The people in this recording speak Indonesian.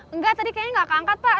enggak tadi kayaknya nggak keangkat pak